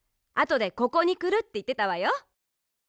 あとでここにくるっていってたわよ。